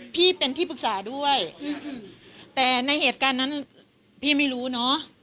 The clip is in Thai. พี่เป็นที่ปรึกษาด้วยแต่ในเหตุการณ์นั้นพี่ไม่รู้เนอะ